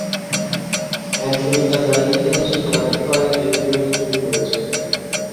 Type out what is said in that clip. Antony তার গাড়িতে গেলে সে জানতে পারে যে কেউ এটি চুরি করেছে।